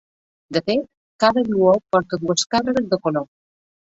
De fet, cada gluó porta dues càrregues de color.